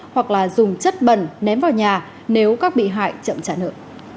hoặc là dùng chất bẩn ném vào nhà nếu các bị hại chậm trả nợ